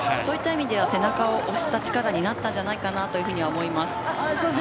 背中を押す力になったんじゃないかと思います。